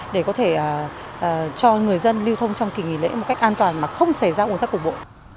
để có thể cho người dân lưu thông trong kỳ nghỉ lễ một cách an toàn mà không xảy ra ủn tắc cục bộ